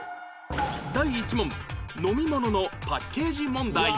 第１問飲み物のパッケージ問題